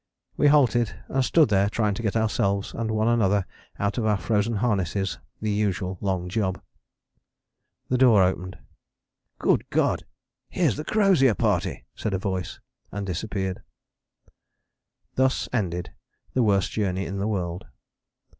We halted and stood there trying to get ourselves and one another out of our frozen harnesses the usual long job. The door opened "Good God! here is the Crozier Party," said a voice, and disappeared. Thus ended the worst journey in the world.